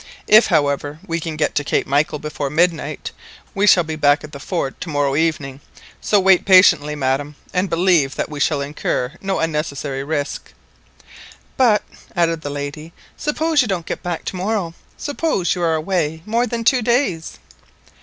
If, however, we can get to Cape Michael before midnight, we shall be back at the fort to morrow evening. So wait patiently, madam, and believe that we shall incur no unnecessary risk." "But," added the lady, "suppose you don't get back to morrow, suppose you are away more than two days?"